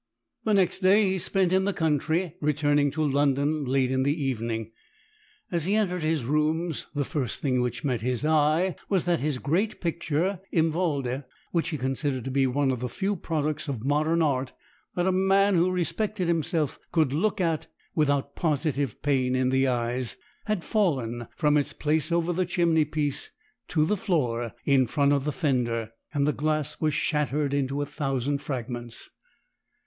The next day he spent in the country, returning to London late in the evening. As he entered his rooms the first thing which met his eye was that his great picture, "Im Walde," which he considered to be one of the few products of modern art that a man who respected himself could look at without positive pain in the eyes, had fallen from its place over the chimney piece to the floor in front of the fender, and the glass was shattered into a thousand fragments.